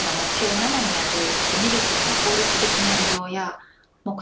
７にあるエネルギーの効率的な利用や目標